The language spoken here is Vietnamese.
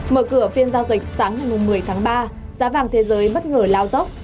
mở cửa phiên giao dịch sáng ngày một mươi tháng ba giá vàng thế giới bất ngờ lao dốc